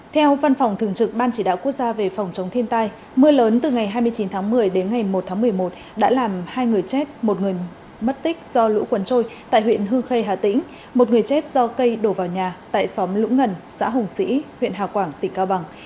theo văn phòng thường trực ban chỉ đạo quốc gia về phòng chống thiên tai mưa lớn từ ngày hai mươi chín tháng một mươi đến ngày một tháng một mươi một đã làm hai người chết một người mất tích do lũ quần trôi tại huyện hư khê hà tĩnh một người chết do cây đổ vào nhà tại xóm lũng ngần xã hùng sĩ huyện hào quảng tỉnh cao bằng